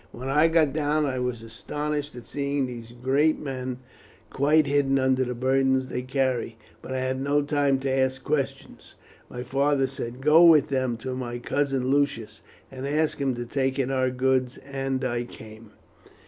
When I got down I was astonished at seeing these great men quite hidden under the burdens they carried, but I had no time to ask questions. My father said, 'Go with them to my cousin Lucius, and ask him to take in our goods,' and I came."